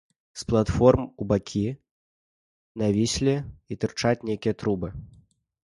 З платформ у бакі навіслі і тырчаць нейкія трубы.